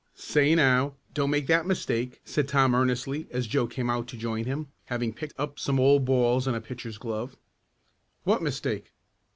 "Say now, don't make that mistake," said Tom earnestly, as Joe came out to join him, having picked up some old balls and a pitcher's glove. "What mistake?"